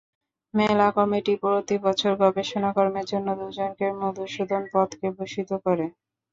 মেলা কমিটি প্রতিবছর গবেষণা কর্মের জন্য দুজনকে মধুসূদন পদকে ভূষিত করে।